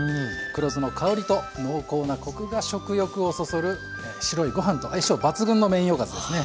黒酢の香りと濃厚なコクが食欲をそそる白いご飯と相性抜群のメインおかずですね。